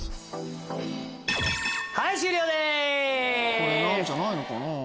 これなんじゃないのかな？